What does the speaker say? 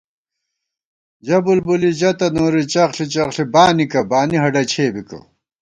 ژہ بُلبُلی ژَہ تہ نوری چغݪی چغݪی بانِکہ ، بانی ہڈہ چھے بِکہ